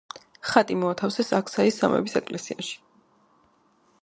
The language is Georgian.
ხატი მოათავსეს აქსაის სამების ეკლესიაში.